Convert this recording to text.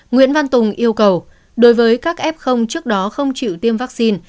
nguyễn văn tùng yêu cầu đối với các f trước đó không chịu tiêm vaccine